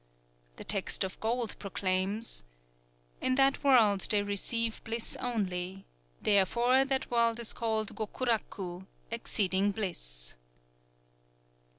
'_" "_The Text of Gold proclaims: 'In that world they receive bliss only: therefore that world is called Gokuraku, exceeding bliss.